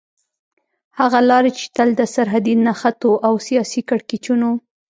هغه لارې چې تل د سرحدي نښتو او سياسي کړکېچونو